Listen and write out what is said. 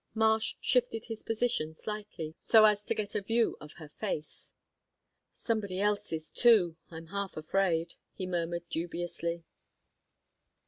Marsh shifted his position slightly, so as to get a view of her face. "Somebody else's too, I'm half afraid," he murmured dubiously.